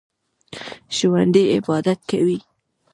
ژوندي عبادت کوي